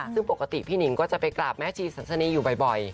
ซึ่งปกติพี่หนิงก็จะไปกราบแม่ชีสันสนีอยู่บ่อย